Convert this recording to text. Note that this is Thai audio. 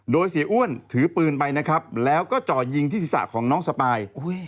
โดยเสียอ้วนถือปืนไปนะครับแล้วก็จ่อยิงที่ศีรษะของน้องสปาย